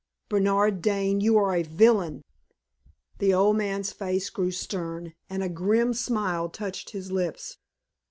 Bernard Dane, you are a villain!" The old man's face grew stern, and a grim smile touched his lips.